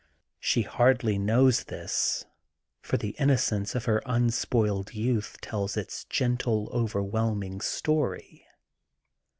She hardly knows this, for the innocence of her unspoiled youth tells its gentle, overwhelming story.